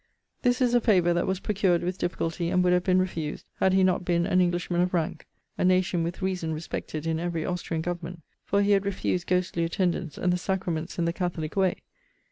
This is a favour that was procured with difficulty; and would have been refused, had he not been an Englishman of rank: a nation with reason respected in every Austrian government for he had refused ghostly attendance, and the sacraments in the Catholic way.